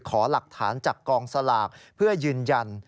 ขอหลักฐานจากกองสลากเพื่อยืนยัน